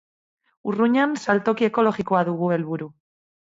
Urruñan saltoki ekologikoa dugu helburu.